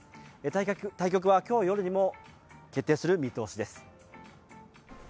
対局は今日夜にも決定する見通しです。